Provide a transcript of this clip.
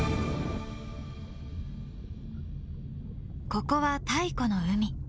ここは太古の海。